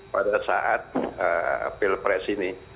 pada saat pilpres ini